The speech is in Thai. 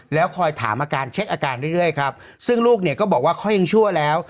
แล้วคอยถามอาการเช็คอาการเรื่อยครับซึ่งลูกเนี่ยก็บอกว่าเขายังชั่วแล้ว